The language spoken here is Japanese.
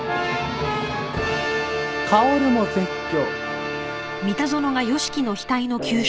薫も絶叫。